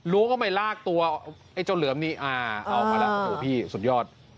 ้วงเข้าไปลากตัวไอ้เจ้าเหลือมนี้อ่าเอามาแล้วโอ้โหพี่สุดยอด